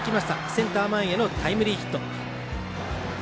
センター前へのタイムリーヒット。